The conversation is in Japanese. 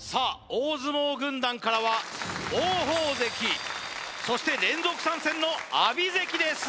大相撲軍団からは王鵬関そして連続参戦の阿炎関です